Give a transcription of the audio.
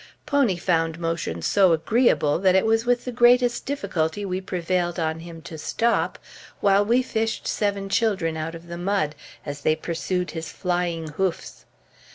Pony found motion so agreeable that it was with the greatest difficulty we prevailed on him to stop while we fished seven children out of the mud, as they pursued his flying hoofs.